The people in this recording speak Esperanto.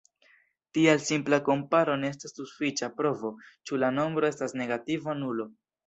Tial simpla komparo ne estas sufiĉa provo, ĉu la nombro estas negativa nulo.